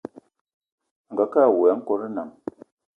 Angakë awula a nkòt nnam